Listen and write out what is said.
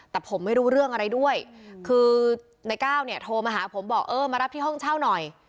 แต่ผมไม่รู้เรื่องอะไรด้วยคือในก้าวเนี่ยโทรมาหาผมบอกเออมารับที่ห้องเช่าหน่อย